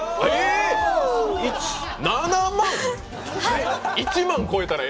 ７万！